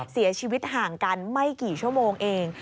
เสียชีวิตห่างกันไม่กี่ชั่วโมงเอง